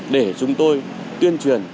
để chúng tôi tuyên truyền